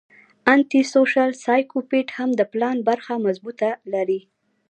انټي سوشل سايکوپېت هم د پلان برخه مضبوطه لري